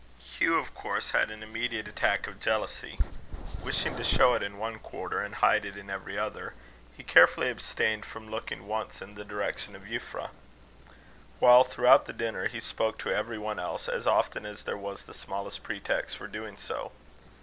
Hugh, of course, had an immediate attack of jealousy. Wishing to show it in one quarter, and hide it in every other, he carefully abstained from looking once in the direction of Euphra; while, throughout the dinner, he spoke to every one else as often as there was the smallest pretext for doing so.